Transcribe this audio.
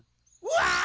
わあ！